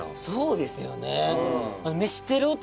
そうですよね。